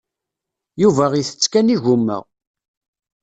Yuba isett kan igumma.